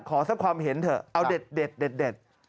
ขอสักความเห็นเถอะเอาเด็ด